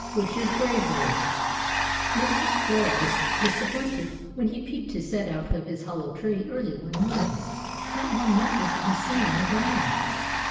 BUSHY'S BRAVERY Mr. Squirrel was disappointed when he peeped his head out of his hollow tree early one morning. Not one nut was to be seen on the ground.